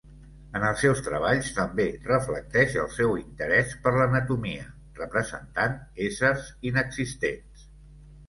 En els seus treballs també reflecteix el seu interès per l'anatomia representant éssers inexistents.